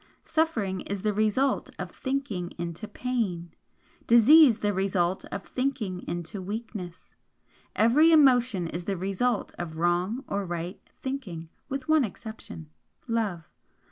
Suffering is the result of THINKING INTO PAIN disease the result of THINKING INTO WEAKNESS. Every emotion is the result of wrong or right THINKING, with one exception Love.